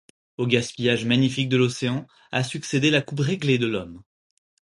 Au gaspillage magnifique de l’océan a succédé la coupe réglée de l’homme.